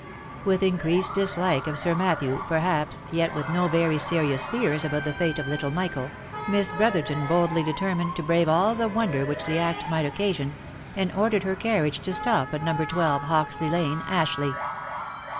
With increased dislike of Sir Matthew, perhaps, yet with no very serious fears about the fate of little Michael, Miss Brotherton boldly determined to brave all the wonder which the act might occasion, and ordered her carriage to stop at No. 12, Hoxley lane, Ashleigh.